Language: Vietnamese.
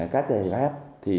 các giải pháp thì